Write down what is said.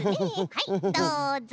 はいどうぞ。